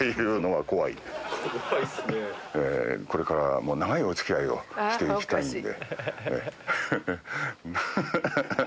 これからも長いお付き合いをしていきたいので。